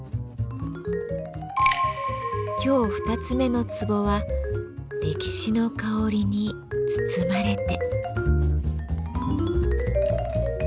今日２つ目の壺は「歴史の香りに包まれて」。